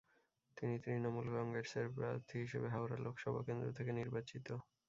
তিনি তৃণমূল কংগ্রেসের প্রার্থী হিসেবে হাওড়া লোকসভা কেন্দ্র থেকে নির্বাচিত।